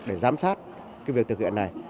để giám sát việc thực hiện này